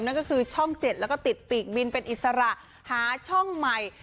นั่นก็คือช่อง๗แล้วก็ติดปีกบินเป็นอิสระหาช่องใหม่